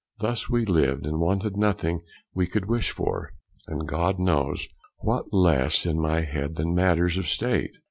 Thus we lived, and wanted nothing we could wish for; and God knows, what less in my head than matters of State?